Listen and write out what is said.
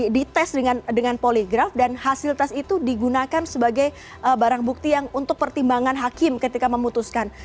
dites dengan poligraf dan hasil tes itu digunakan sebagai barang bukti yang untuk pertimbangan hakim ketika memutuskan